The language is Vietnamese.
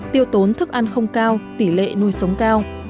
tiêu tốn thức ăn không cao tỷ lệ nuôi sống cao